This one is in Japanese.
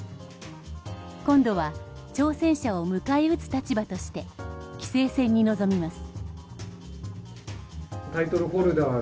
今度は挑戦者を迎え撃つ立場として棋聖戦に臨みます。